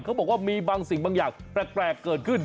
เขาบอกว่ามีบางสิ่งบางอย่างแปลกเกิดขึ้น